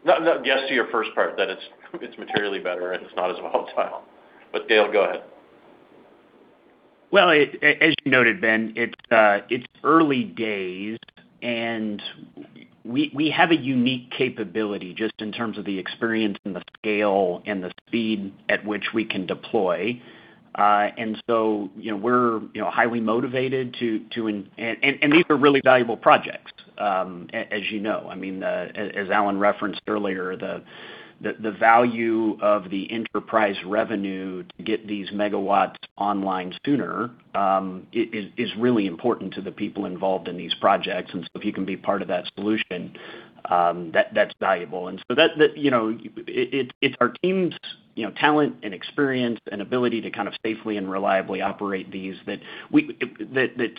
No. Yes to your first part, that it's materially better and it's not as volatile. Dale, go ahead. Well, as you noted, Ben, it's early days, and we have a unique capability just in terms of the experience and the scale and the speed at which we can deploy. We're highly motivated to these are really valuable projects, as you know. I mean, as Allan referenced earlier, the value of the enterprise revenue to get these megawatts online sooner, is really important to the people involved in these projects. If you can be part of that solution, that's valuable. That, it's our team's talent and experience and ability to kind of safely and reliably operate these that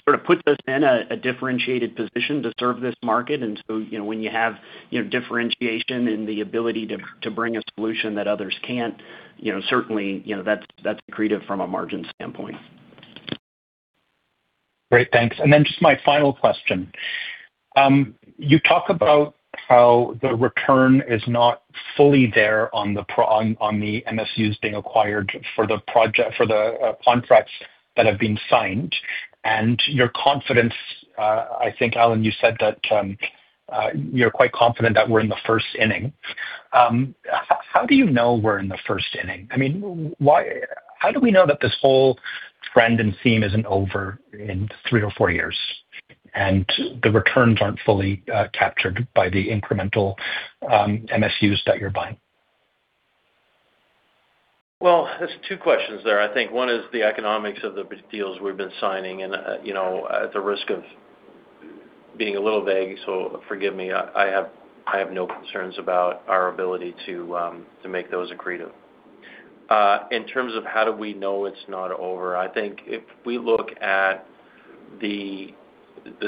sort of puts us in a differentiated position to serve this market. You know, when you have, you know, differentiation and the ability to bring a solution that others can't, you know, certainly, you know, that's accretive from a margin standpoint. Great. Thanks. Just my final question. You talk about how the return is not fully there on the MSUs being acquired for the contracts that have been signed and your confidence, I think, Allan, you said that, you're quite confident that we're in the first inning. How do you know we're in the first inning? I mean, why how do we know that this whole trend and theme isn't over in three or four years? The returns aren't fully captured by the incremental MSUs that you're buying. Well, there's two questions there. I think one is the economics of the deals we've been signing and, you know, at the risk of being a little vague, so forgive me, I have, I have no concerns about our ability to make those accretive. In terms of how do we know it's not over, I think if we look at the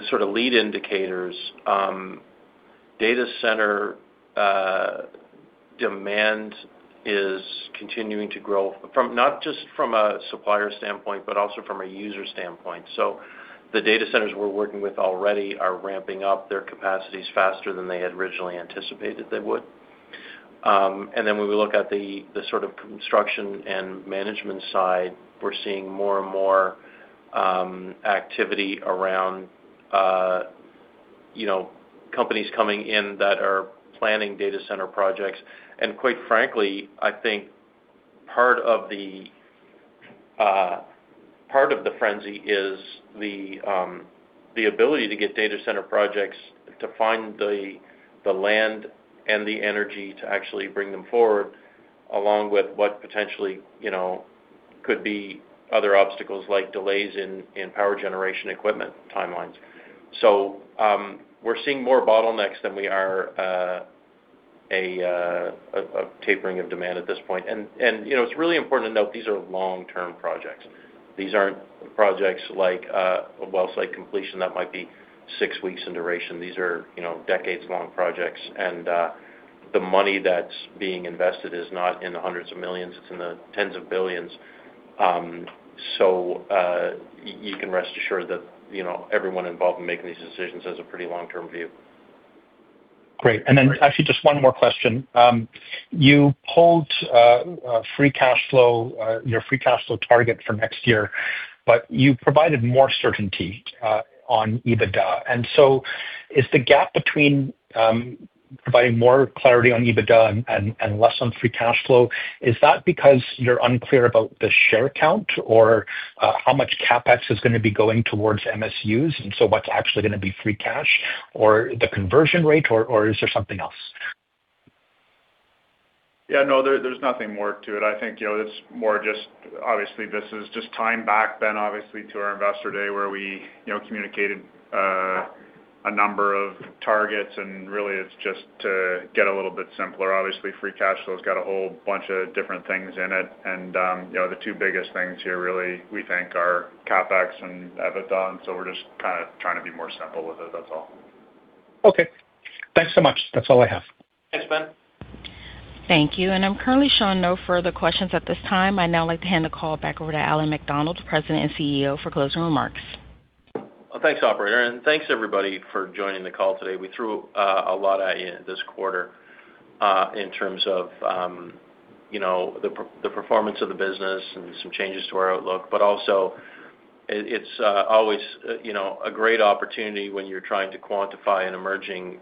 sort of lead indicators, data center demand is continuing to grow not just from a supplier standpoint, but also from a user standpoint. The data centers we're working with already are ramping up their capacities faster than they had originally anticipated they would. When we look at the sort of construction and management side, we're seeing more and more activity around, you know, companies coming in that are planning data center projects. Quite frankly, I think part of the part of the frenzy is the ability to get data center projects to find the land and the energy to actually bring them forward, along with what potentially, you know, could be other obstacles like delays in power generation equipment timelines. We're seeing more bottlenecks than we are a tapering of demand at this point. You know, it's really important to note these are long-term projects. These aren't projects like a well site completion that might be six weeks in duration. These are, you know, decades-long projects. The money that's being invested is not in the hundreds of millions, it's in the tens of billions. You can rest assured that, you know, everyone involved in making these decisions has a pretty long-term view. Great. Actually just one more question. You pulled free cash flow, your free cash flow target for next year, but you provided more certainty on EBITDA. Is the gap between providing more clarity on EBITDA and less on free cash flow, is that because you're unclear about the share count or how much CapEx is gonna be going towards MSUs, and so what's actually gonna be free cash, or the conversion rate, or is there something else? Yeah, no, there's nothing more to it. I think, you know, it's more just obviously this is just tying back then obviously to our Investor Day where we, you know, communicated a number of targets and really it's just to get a little bit simpler. Obviously, free cash flow's got a whole bunch of different things in it and, you know, the two biggest things here really we think are CapEx and EBITDA. We're just kinda trying to be more simple with it, that's all. Okay. Thanks so much. That's all I have. Thanks, Ben. Thank you. I'm currently showing no further questions at this time. I'd now like to hand the call back over to Allan MacDonald, President and CEO, for closing remarks. Well, thanks, Operator. Thanks everybody for joining the call today. I threw a lot at you this quarter in terms of, you know, the performance of the business and some changes to our outlook. Also it's always, you know, a great opportunity when you're trying to quantify an emerging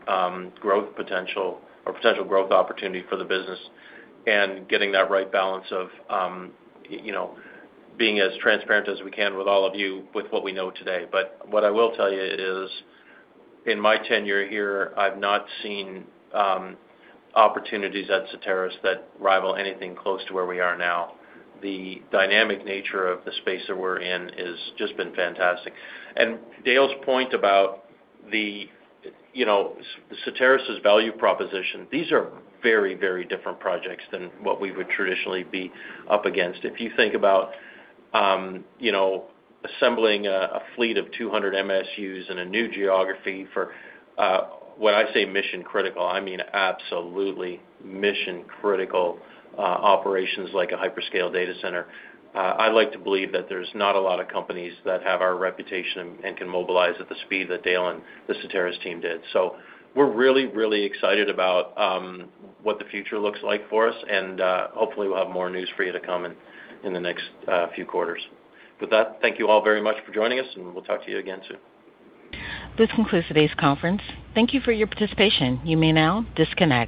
growth potential or potential growth opportunity for the business and getting that right balance of, you know, being as transparent as we can with all of you with what we know today. What I will tell you is in my tenure here, I've not seen opportunities at Certarus that rival anything close to where we are now. The dynamic nature of the space that we're in has just been fantastic. Dale's point about the, you know, Certarus' value proposition, these are very, very different projects than what we would traditionally be up against. If you think about, you know, assembling a fleet of 200 MSUs in a new geography for, when I say mission critical, I mean absolutely mission critical operations like a hyperscale data center, I'd like to believe that there's not a lot of companies that have our reputation and can mobilize at the speed that Dale and the Certarus' team did. We're really, really excited about what the future looks like for us and, hopefully we'll have more news for you to come in the next few quarters. With that, thank you all very much for joining us, and we'll talk to you again soon. This concludes today's conference. Thank you for your participation. You may now disconnect.